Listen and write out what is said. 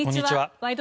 「ワイド！